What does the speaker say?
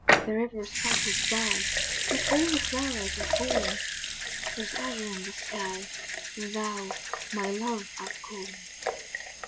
The river sparkles by, Not all the flowers are falling, There's azure in the sky, And thou, my love, art calling.